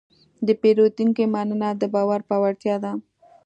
د پیرودونکي مننه د باور پیاوړتیا ده.